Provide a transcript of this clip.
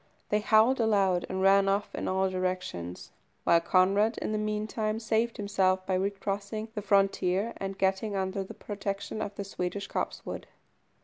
They howled aloud and ran off in all directions, while Conrad in the meantime saved himself by recrossing the frontier, and getting under the protection of the Swedish copsewood.